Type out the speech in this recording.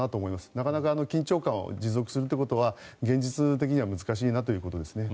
なかなか緊張感を持続することは現実的には難しいなということですね。